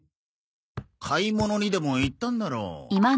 買い物にでも行ったんだろう。